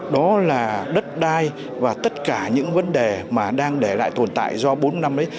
đó là đất đai và tất cả những vấn đề mà đang để lại tồn tại do bốn năm đấy